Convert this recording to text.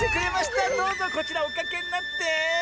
どうぞこちらおかけになって。